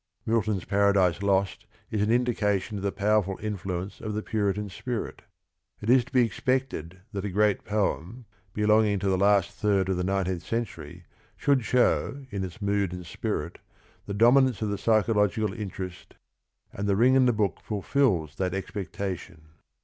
Milton's Paradise Lost is an indication of the powerful influence of the Puritan spirit. It is to be expected that a great poem belonging to the last third of the nine teenth century should show in its method and spirit the dominance of the psychological in terest, and The Ring and the Book fulfils that expectation.